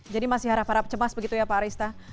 jadi masih harap harap cemas begitu ya pak arista